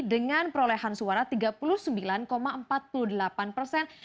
dengan perolehan suara tiga puluh sembilan empat puluh delapan persen